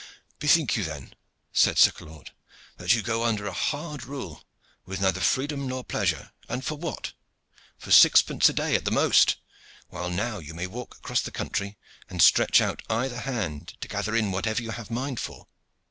"Bethink you, then," said Sir Claude, "that you go under a hard rule, with neither freedom nor pleasure and for what? For sixpence a day, at the most; while now you may walk across the country and stretch out either hand to gather in whatever you have a mind for.